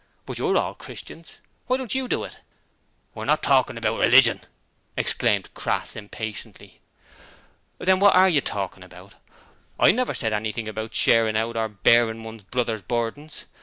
But you're all "Christians" why don't you do it?' 'We're not talkin' about religion,' exclaimed Crass, impatiently. 'Then what are you talking about? I never said anything about "Sharing Out" or "Bearing one another's burdens".